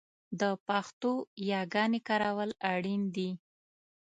د پښتو یاګانې کارول اړین دي